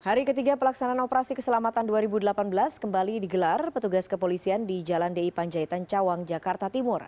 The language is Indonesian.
hari ketiga pelaksanaan operasi keselamatan dua ribu delapan belas kembali digelar petugas kepolisian di jalan di panjaitan cawang jakarta timur